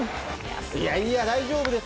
いやいや、大丈夫です。